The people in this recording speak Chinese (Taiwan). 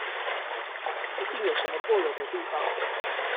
一定有什麼過人的地方